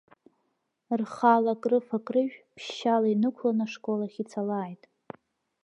Рхала акрыфа-акрыжә, ԥшьшьаала инықәланы ашкол ахь ицалааит!